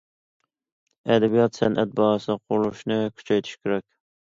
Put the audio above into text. ئەدەبىيات- سەنئەت بازىسى قۇرۇلۇشىنى كۈچەيتىش كېرەك.